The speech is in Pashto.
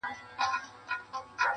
گرول يې خپل غوږونه په لاسونو-